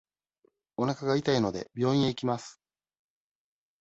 おなかが痛いので、病院へ行きます。